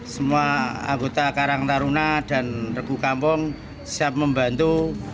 semua anggota karang taruna dan regu kampung siap membantu